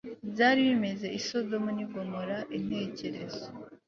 byari bimeze i Sodomu ni Gomora Intekerezo